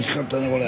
これ。